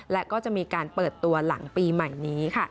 และก็จะมีการเปิดตัวหลังปีใหม่นี้